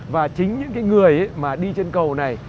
và chính những người đi trên cầu này